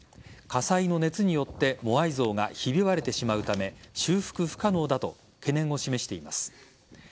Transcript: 火災の熱によってモアイ像がひび割れてしまうため修復不可能だと懸念を示しています。